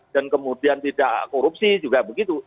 dan kemudian tidak korupsi juga begitu